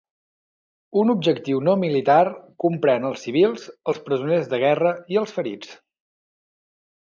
Un objectiu no militar comprèn els civils, els presoners de guerra i els ferits.